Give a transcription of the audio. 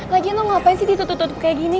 lagian lu ngapain sih ditutup tutup kayak gini